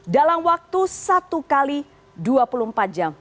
dalam waktu satu x dua puluh empat jam